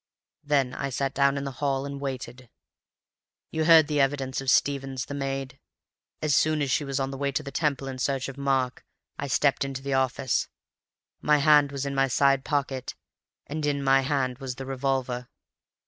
Then I sat down in the hall and waited. "You heard the evidence of Stevens, the maid. As soon as she was on her way to the Temple in search of Mark, I stepped into the office. My hand was in my side pocket, and in my hand was the revolver.